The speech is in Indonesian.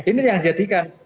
ini yang jadikan